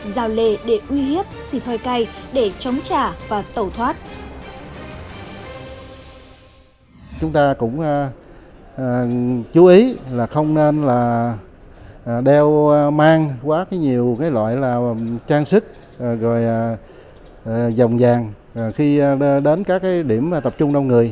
rào lề để uy hiếp xì thoai cay để chống trả và tẩu thoát